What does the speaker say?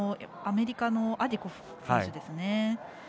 アメリカのアディコフ選手ですね。